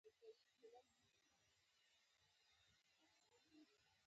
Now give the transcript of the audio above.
معشوق دې غرور وکړي او مال او سر مې وانه خلي.